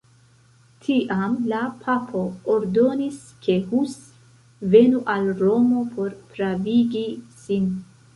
Tiam la papo ordonis, ke Hus venu al Romo por pravigi sin.